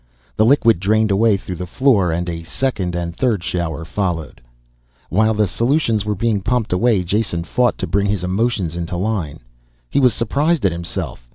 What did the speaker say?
The liquid drained away through the floor and a second and third shower followed. While the solutions were being pumped away, Jason fought to bring his emotions into line. He was surprised at himself.